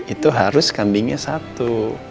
itu harus kambingnya satu